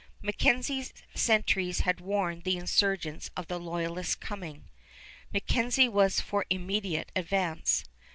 MacKenzie's sentries had warned the insurgents of the loyalists' coming. MacKenzie was for immediate advance.